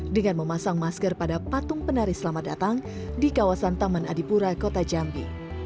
dengan memasang masker pada patung penari selamat datang di kawasan taman adipura kota jambi